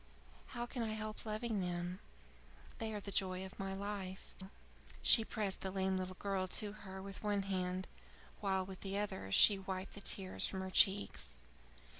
How can I help loving them! They are the joy of my life!" She pressed the lame little girl to her with one hand, while with the other she wiped the tears from her cheeks.